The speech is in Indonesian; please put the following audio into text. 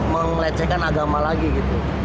mengelecehkan agama lagi gitu